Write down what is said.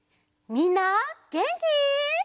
みんなげんき？